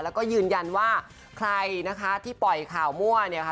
แล้วก็ยืนยันว่าใครนะคะที่ปล่อยข่าวมั่วเนี่ยค่ะ